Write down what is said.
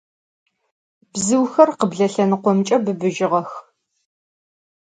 Bzıuxer khıble lhenıkhom bıbıjığex.